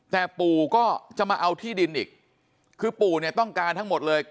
แต่ปู่ก็จะมาเอาที่ดินอีกคือปู่เนี่ยต้องการทั้งหมดเลย